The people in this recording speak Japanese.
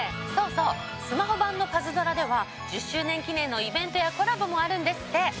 そうそうスマホ版のパズドラでは１０周年記念のイベントやコラボもあるんですって。